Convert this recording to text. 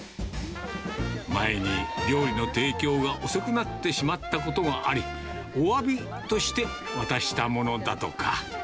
前に料理の提供が遅くなってしまったことがあり、おわびとして渡したものだとか。